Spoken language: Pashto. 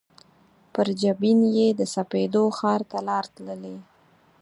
پر جبین یې د سپېدو ښار ته لار تللي